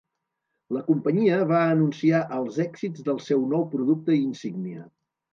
La companyia va anunciar els èxits del seu nou producte insígnia.